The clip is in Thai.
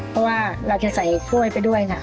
เพราะว่าเราจะใส่ถ้วยไปด้วยนะ